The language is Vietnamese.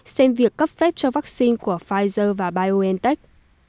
xem việc cấp phép cho vaccine của pfizer và biontech